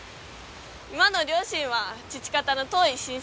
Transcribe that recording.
今の両親は父方の遠い親戚。